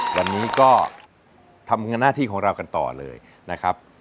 วันนี้ก็ทำหน้าที่ของเรากันต่อเลยนะครับ